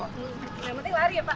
yang penting lari ya pak